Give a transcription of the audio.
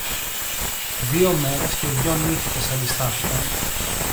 Δυο μέρες και δυο νύχτες αντιστάθηκαν